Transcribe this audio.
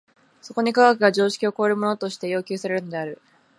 そこに科学が常識を超えるものとして要求されるのである。